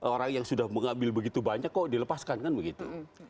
orang yang sudah mengambil begitu banyak kok dilepaskan kan begitu